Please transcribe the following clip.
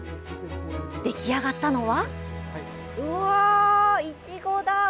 出来上がったのは？